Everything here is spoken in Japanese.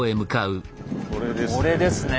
これですね。